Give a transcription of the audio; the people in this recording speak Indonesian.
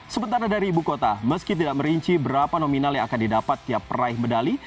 sementara dari ibu kota meski tidak merinci berapa nominal yang akan didapat tiap peraih medali